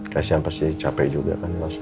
kasian pasti capek juga kan mas an